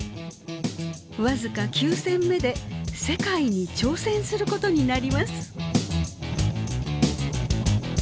僅か９戦目で世界に挑戦することになります。